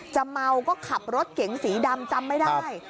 เมาก็ขับรถเก๋งสีดำจำไม่ได้